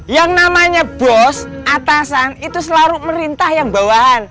yang namanya bos atasan itu selalu merintah yang bawahan